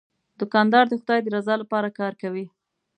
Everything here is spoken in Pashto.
دوکاندار د خدای د رضا لپاره کار کوي.